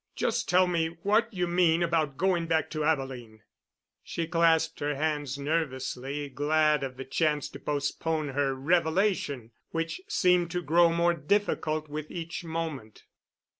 Just tell me what you mean about going back to Abilene." She clasped her hands nervously, glad of the chance to postpone her revelation, which seemed to grow more difficult with each moment.